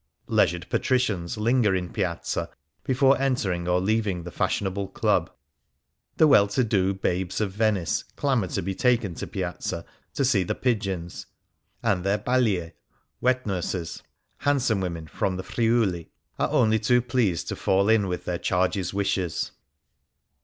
Leisured patricians linger in Piazza before entering or leavins: the fashionable club. The well to do babes of Venice clamour to be taken to Piazza to see the pigeons, and their bcdk (wet nurses) — handsome women from the Friuli — are only too pleased to fall in with their charges' wishes.